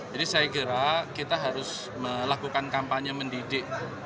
jadi saya kira kita harus melakukan kampanye mendidiknya